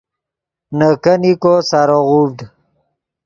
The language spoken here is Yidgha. نے کینیکو سارو غوڤڈ